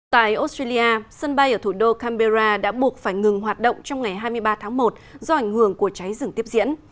tại australia sân bay ở thủ đô canberra đã buộc phải ngừng hoạt động trong ngày hai mươi ba tháng một do ảnh hưởng của cháy rừng tiếp diễn